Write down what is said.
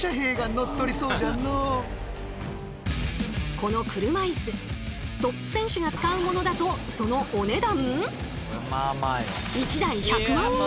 この車いすトップ選手が使うものだとそのお値段？